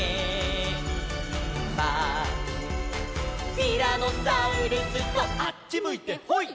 「ティラノサウルスとあっちむいてホイ！？」